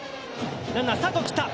ランナー、スタートを切った。